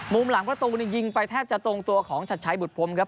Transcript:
หลังประตูนี่ยิงไปแทบจะตรงตัวของชัดชัยบุตรพรมครับ